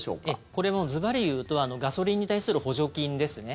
これ、もうずばり言うとガソリンに対する補助金ですね。